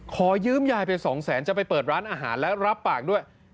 ขอยืมยายไปสองแสนจะไปเปิดร้านอาหารและรับปากด้วย